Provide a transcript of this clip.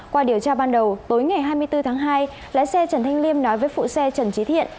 qua điều tra ban đầu tối ngày hai mươi bốn tháng hai lái xe trần thanh liêm nói với phụ xe trần trí thiện